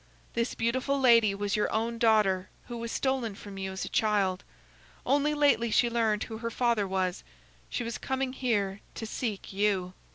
This beautiful lady was your own daughter who was stolen from you as a child. Only lately she learned who her father was. She was coming here to seek you."